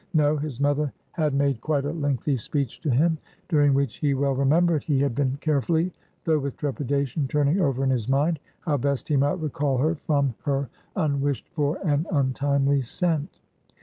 No; his mother had made quite a lengthy speech to him; during which he well remembered, he had been carefully, though with trepidation, turning over in his mind, how best he might recall her from her unwished for and untimely scent.